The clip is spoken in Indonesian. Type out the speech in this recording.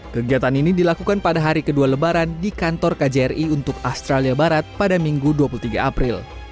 kegiatan ini dilakukan pada hari kedua lebaran di kantor kjri untuk australia barat pada minggu dua puluh tiga april